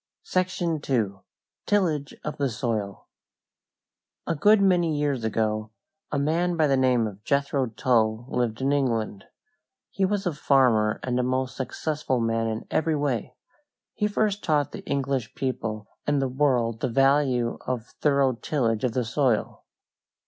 SECTION II. TILLAGE OF THE SOIL A good many years ago a man by the name of Jethro Tull lived in England. He was a farmer and a most successful man in every way. He first taught the English people and the world the value of thorough tillage of the soil.